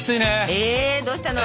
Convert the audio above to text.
えどうしたの？